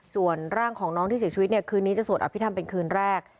ส่วนร่างของน้องที่เสียชีวิตเนี่ยคืนนี้จะสวดอภิษฐรรมเป็นคืนแรก